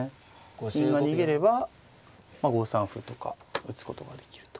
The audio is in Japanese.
金が逃げれば５三歩とか打つことができると。